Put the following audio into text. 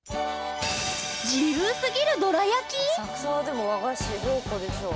浅草はでも和菓子宝庫でしょう。